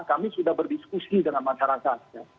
kami sudah berdiskusi dengan masyarakat